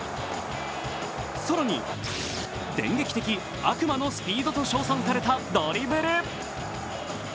更に電撃的・悪魔のスピードと称賛されたドリブル。